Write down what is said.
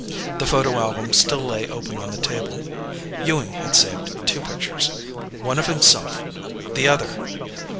The photo album still lay open on the table. Ewing had saved two pictures. One of himself. The other....